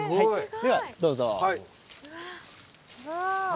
ではどうぞ。